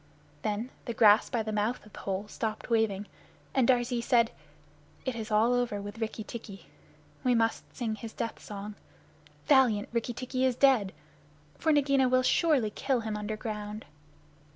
Then the grass by the mouth of the hole stopped waving, and Darzee said, "It is all over with Rikki tikki! We must sing his death song. Valiant Rikki tikki is dead! For Nagaina will surely kill him underground."